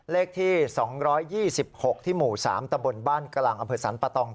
เลขที่๒๒๖ที่หมู่๓ตำบลบ้านกะหลังอเผิดสันปะตอง